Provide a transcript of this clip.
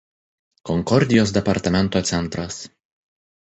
Konkordijos departamento centras.